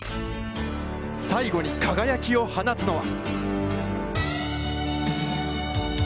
最後に輝きを放つのは？